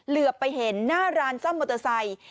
เหลือไปเห็นหน้าร้านซ่อมมอเตอร์ไซค์